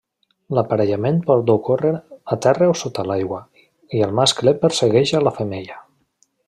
L'aparellament pot ocórrer a terra o sota l'aigua i el mascle persegueix a la femella.